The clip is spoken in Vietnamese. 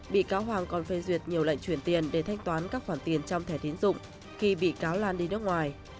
bị cáo hoàng còn phê duyệt nhiều lệnh chuyển tiền để thanh toán các khoản tiền trong thẻ tiến dụng khi bị cáo lan đi nước ngoài